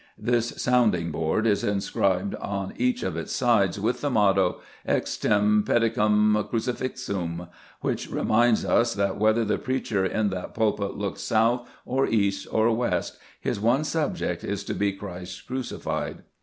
This sounding board is inscribed on each of its sides with the motto: "Xtm pdicam crucifixum," which reminds us that whether the preacher in that pulpit looks south, or east, or west, his one subject is to be Christ crucified.